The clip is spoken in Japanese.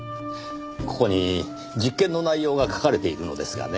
ここに実験の内容が書かれているのですがね